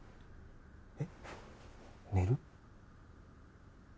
えっ寝る？